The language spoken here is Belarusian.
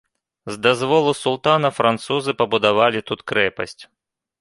З дазволу султана французы пабудавалі тут крэпасць.